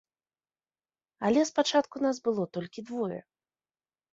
Але спачатку нас было толькі двое.